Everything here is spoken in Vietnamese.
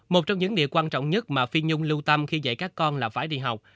một trong những điều quan trọng nhất mà phi nhung lưu tâm khi dạy các con là phải đi học